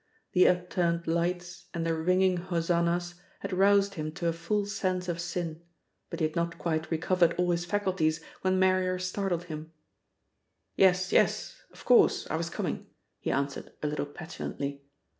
The upturned lights and the ringing hosannahs had roused him to a full sense of sin, but he had not quite recovered all his faculties when Marrier startled him. "Yes, yes! Of course! I was coming," he answered a little petulantly.